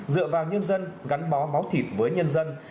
dựa vào nhân dân gắn bó máu thịt với nhân dân